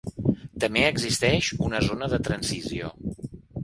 També existeix una zona de transició.